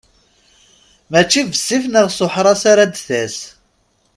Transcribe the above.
Mačči bessif neɣ s uḥras ara d-tas.